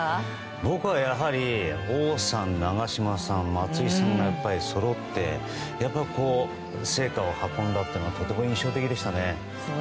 僕はやはり王さん、長嶋さん松井さんがそろって聖火を運んだというのはとても印象的でしたね。